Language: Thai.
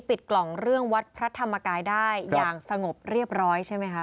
ปิดกล่องเรื่องวัดพระธรรมกายได้อย่างสงบเรียบร้อยใช่ไหมคะ